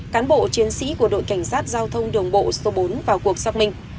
cán bộ chiến sĩ của đội cảnh sát giao thông đường bộ số bốn vào cuộc xác minh